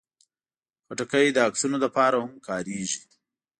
خټکی د عکسونو لپاره هم کارېږي.